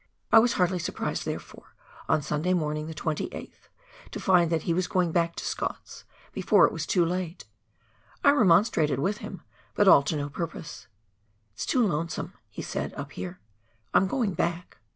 I was hardly surprised therefore, on Sunday morning the 28th, to find that he was going back to Scott's, before it was too late. I remonstrated with him, but all to no purpose. " It is too lonesome," he said, " up here. I'm going back."